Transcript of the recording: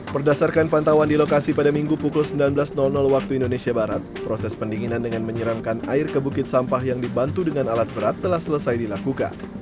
berdasarkan pantauan di lokasi pada minggu pukul sembilan belas waktu indonesia barat proses pendinginan dengan menyeramkan air ke bukit sampah yang dibantu dengan alat berat telah selesai dilakukan